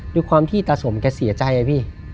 ด้วยความที่ตาสมแกเสียใจอะพี่